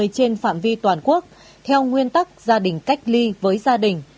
trên phạm vi toàn quốc theo nguyên tắc gia đình cách ly với gia đình